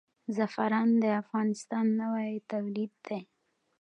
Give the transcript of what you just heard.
زعفران د افغانستان نوی تولید دی.